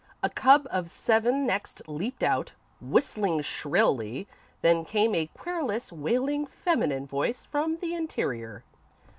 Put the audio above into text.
A cub of seven next leaped out, whistling shrilly, then came a querulous, wailing, feminine voice from the interior.